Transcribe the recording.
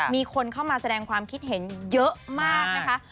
มีคนเข้ามาแสดงความคิดเห็นเยอะมากนะคะ